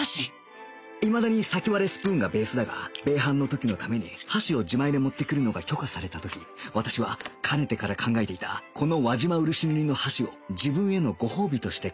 いまだに先割れスプーンがベースだが米飯の時のために箸を自前で持ってくるのが許可された時私はかねてから考えていたこの輪島漆塗の箸を自分へのご褒美として買い与えた